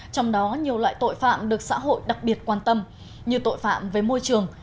trong đó nhiều loại tội phạm được xã hội đặc biệt quan tâm như tội phạm với môi trường